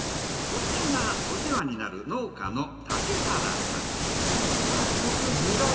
こちらがお世話になる農家の竹原さん。